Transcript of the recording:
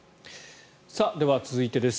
では続いてです。